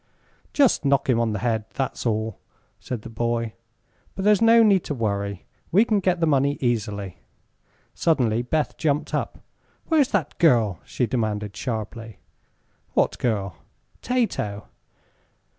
"Just knock him on the head, that's all," said the boy. "But there's no need to worry. We can get the money easily." Suddenly Beth jumped up. "Where's that girl?" she demanded, sharply. "What girl?" "Tato."